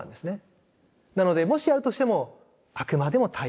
なのでもしやるとしてもあくまでも対話。